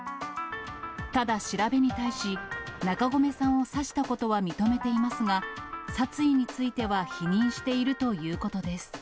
ただ、調べに対し、中込さんを刺したことは認めていますが、殺意については否認しているということです。